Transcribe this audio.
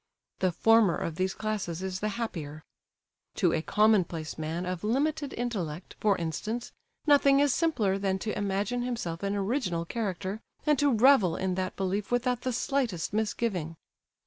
The former of these classes is the happier. To a commonplace man of limited intellect, for instance, nothing is simpler than to imagine himself an original character, and to revel in that belief without the slightest misgiving.